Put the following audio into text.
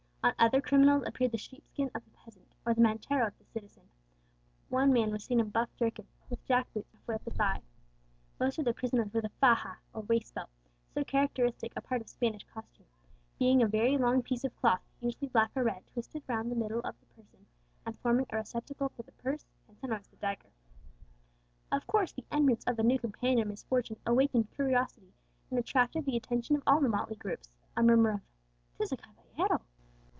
On other criminals appeared the sheep skin of the peasant, or the mantero of the citizen; one man was seen in buff jerkin, with jack boots reaching half way up his thigh. Most of the prisoners wore the faja, or waist belt, so characteristic a part of Spanish costume, being a very long piece of cloth, usually black or red, twisted round the middle of the person, and forming a receptacle for the purse, and sometimes the dagger. Of course the entrance of a new companion in misfortune awakened curiosity, and attracted the attention of all the motley groups. A murmur of "'Tis a caballero!"